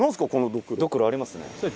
ドクロありますね。